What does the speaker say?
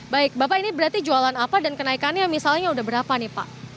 baik bapak ini berarti jualan apa dan kenaikannya misalnya udah berapa nih pak